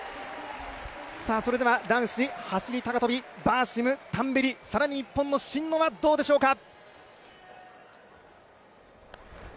それでは男子走高跳、バーシム、タンベリ、更に日本の真野はどうでしょうか？